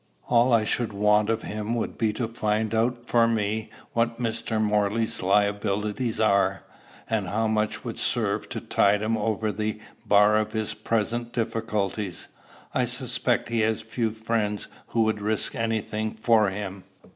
"All I should want of him would be to find out for me what Mr. Morley's liabilities are, and how much would serve to tide him over the bar of his present difficulties. I suspect he has few friends who would risk any thing for him.